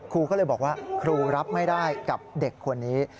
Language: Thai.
ครูก็เลยบอกว่าครูรับไม่ได้กับเด็กคนนี้